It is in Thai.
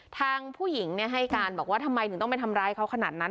ทางผู้หญิงให้การบอกว่าทำไมถึงต้องไปทำร้ายเขาขนาดนั้น